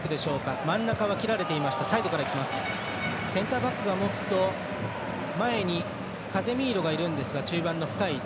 センターバックが持つと前に、カゼミーロがいるんですが中盤の深い位置